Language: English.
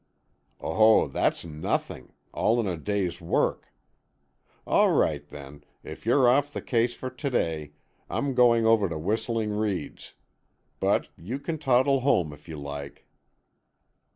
"Oh, that's nothing—all in the day's work. All right, then, if you're off the case for to day. I'm going over to Whistling Reeds, but you can toddle home, if you like."